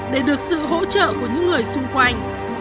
để được sự hỗ trợ của những người xung quanh